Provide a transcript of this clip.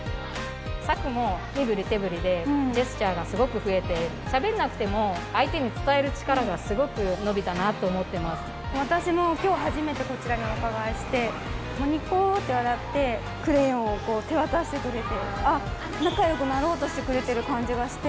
咲空も、身ぶり手ぶりで、ジェスチャーがすごく増えて、しゃべんなくても、相手に伝える私もきょう、初めてこちらにお伺いして、にこって笑って、クレヨンを手渡してくれて、あっ、仲よくなろうとしてくれてる感じがして。